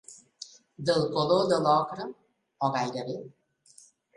Del color de l'ocre, o gairebé.